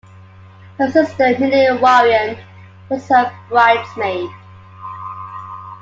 Her sister Minnie Warren was her bridesmaid.